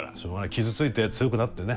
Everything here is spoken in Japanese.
傷ついて強くなってね。